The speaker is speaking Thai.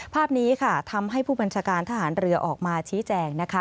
ภาพนี้ค่ะทำให้ผู้บัญชาการทหารเรือออกมาชี้แจงนะคะ